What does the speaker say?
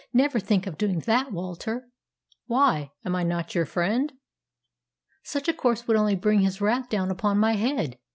"Never think of doing that, Walter!" "Why? Am I not your friend?" "Such a course would only bring his wrath down upon my head.